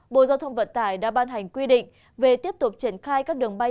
bộ giao thông vận tải đã ban hành quy định về tiếp tục triển khai các đường bay